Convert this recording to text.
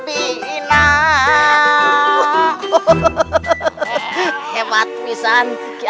inilah yang beradu